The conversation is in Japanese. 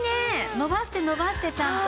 伸ばして伸ばしてちゃんと。